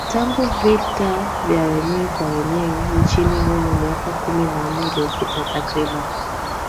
tangu vita vya wenyewe kwa wenyewe nchini humo miaka kumi na nne iliyopita takriban